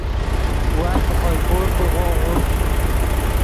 ون ڤے خوئے پور پیغو غورد